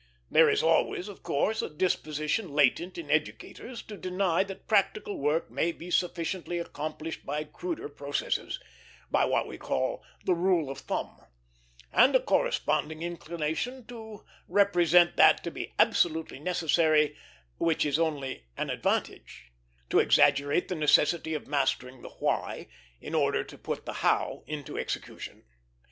There is always, of course, a disposition latent in educators to deny that practical work may be sufficiently accomplished by cruder processes by what we call the rule of thumb and a corresponding inclination to represent that to be absolutely necessary which is only an advantage; to exaggerate the necessity of mastering the "why" in order to put the "how" into execution.